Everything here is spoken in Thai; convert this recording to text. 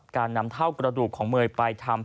การนำเท่ากระดูกของเมย์ไปทำ